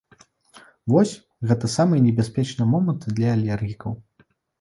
Вось, гэта самыя небяспечныя моманты для алергікаў.